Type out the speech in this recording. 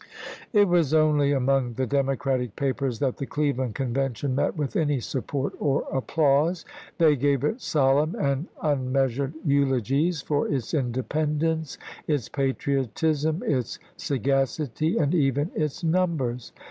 "1 It was only among the Democratic papers that the Cleveland Convention met with any support or applause. They gave it solemn and unmeasured eulogies for its independence, its patriotism, its sagacity, and even its numbers.